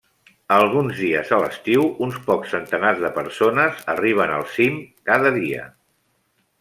Alguns dies a l'estiu, uns pocs centenars de persones arriben al cim de cada dia.